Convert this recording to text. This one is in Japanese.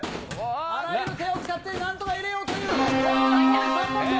あらゆる手を使ってなんとか入れようという。